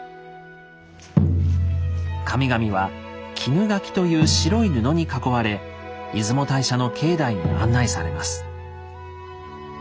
神々は「絹垣」という白い布に囲われ出雲大社の境内に案内されます。